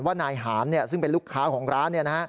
นายหานซึ่งเป็นลูกค้าของร้าน